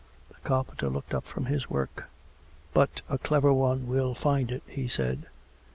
The carpenter looked up from his work. " But a clever one will find it," he said.